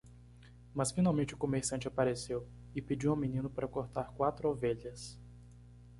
Mas finalmente o comerciante apareceu? e pediu ao menino para cortar quatro ovelhas.